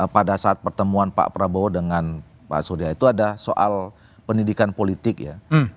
pada saat pertemuan pak prabowo dengan pak surya itu ada soal pendidikan politik ya